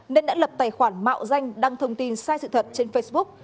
nên đã lập tài khoản mạo danh đăng thông tin sai sự thật trên facebook